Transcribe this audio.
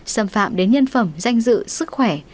xâm phạm đến nhân phẩm danh dự sức khỏe